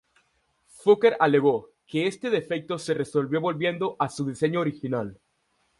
Fokker alegó que este defecto se resolvió volviendo a su diseño original.